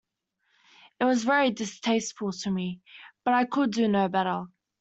It was very distasteful to me, but I could do no better.